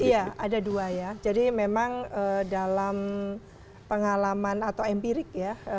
iya ada dua ya jadi memang dalam pengalaman atau empirik ya